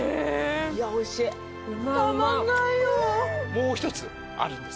もう一つあるんです。